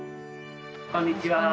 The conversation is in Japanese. こんにちは。